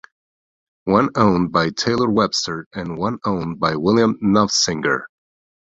One owned by Taylor Webster and one owned by William Nofsinger.